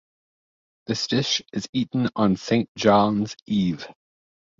This dish is eaten on Saint John's Eve.